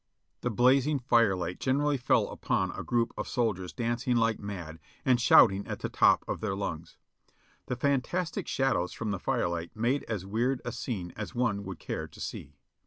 The blazing firelight generally fell upon a group of soldiers dancing like mad and shouting at the top of their lungs. The fantastic shadows from the firelight made as weird a scene as one would care to see.